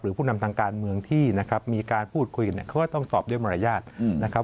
ผู้นำทางการเมืองที่นะครับมีการพูดคุยเนี่ยเขาก็ต้องสอบด้วยมารยาทนะครับ